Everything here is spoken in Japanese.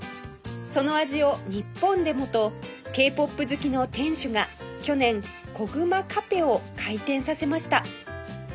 その味を日本でもと Ｋ−ＰＯＰ 好きの店主が去年こぐまかぺを開店させました